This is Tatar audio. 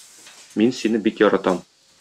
Мин сине бик яратам.